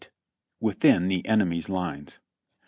WITHIN THE ENEMY^S EINES.